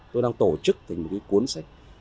tôi đang tổ chức thành một cuốn sách